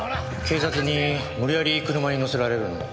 警察に無理やり車に乗せられるのを。